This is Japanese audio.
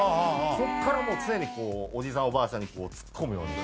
そこからもう常にこうおじいさんおばあさんにツッコむように。